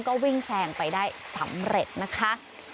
ก็วิ่งแซงไปได้สำเร็จนะคะ